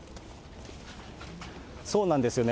そうなんですよね。